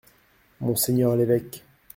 Monseigneur l’évêque.